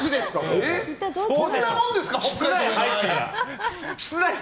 そんなもんですか？